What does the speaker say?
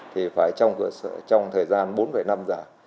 thì phải trong thời gian bốn năm giờ